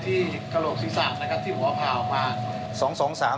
ที่หัวพาออกมา